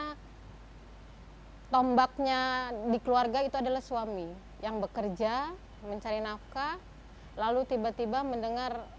hai tombaknya di keluarga itu adalah suami yang bekerja mencari nafkah lalu tiba tiba mendengar